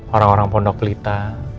orang orang pondok pelita